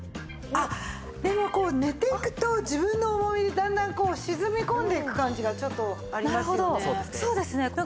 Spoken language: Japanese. あっでもこう寝ていくと自分の重みでだんだん沈み込んでいく感じがちょっとありますよね。